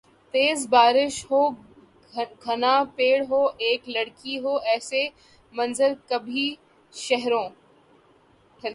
تیز بارش ہو گھنا پیڑ ہو اِک لڑکی ہوایسے منظر کبھی شہروں